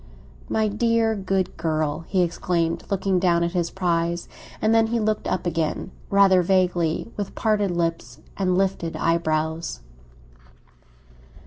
"My dear good girl!" he exclaimed, looking down at his prize. And then he looked up again, rather vaguely, with parted lips and lifted eyebrows.